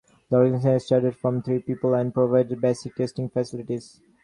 The organisation started from three people and provided basic testing facilities.